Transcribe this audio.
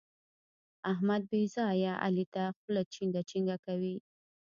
احمد بې ځايه علي ته خوله چينګه چینګه کوي.